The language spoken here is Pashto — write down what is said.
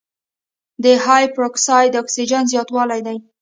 د هایپراکسیا د اکسیجن زیاتوالی دی.